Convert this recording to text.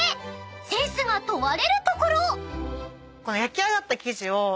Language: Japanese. ［センスが問われるところ］